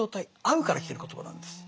「合う」から来てる言葉なんです。